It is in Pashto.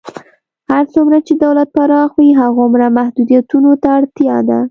هر څومره چې دولت پراخ وي، هماغومره محدودیتونو ته اړتیا ده.